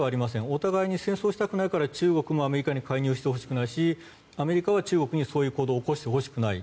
お互いに戦争したくないから中国もアメリカに介入してほしくないしアメリカは中国にそういう行動を起こしてほしくない。